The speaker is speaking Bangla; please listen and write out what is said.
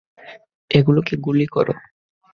ওগুলোকে গুলি করো!